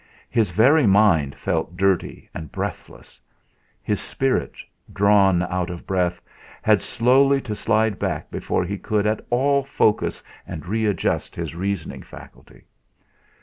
His very mind felt dirty and breathless; his spirit, drawn out of sheath, had slowly to slide back before he could at all focus and readjust his reasoning faculty.